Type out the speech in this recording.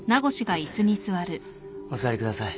お座りください。